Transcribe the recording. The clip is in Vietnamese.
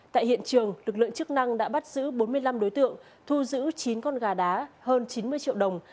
tại hiện trường lực lượng chức năng đã bắt giữ bốn mươi năm đối tượng thu giữ chín con gà đá hơn chín mươi triệu đồng